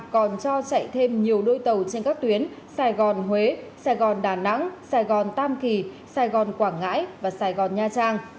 còn cho chạy thêm nhiều đôi tàu trên các tuyến sài gòn huế sài gòn đà nẵng sài gòn tam kỳ sài gòn quảng ngãi và sài gòn nha trang